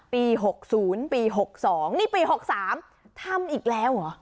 ปีหกศูนย์ปีหกสองนี่ปีหกสามทำอีกแล้วเหรอ